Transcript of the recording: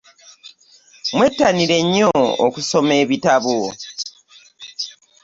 Mwetanire nnyo okusoma ebitabo.